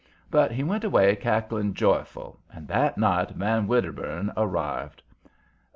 But he went away cackling joyful, and that night Van Wedderburn arrived.